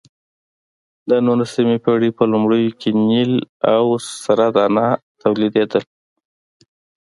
د نولسمې پېړۍ په لومړیو کې نیل او سره دانه تولیدېدل.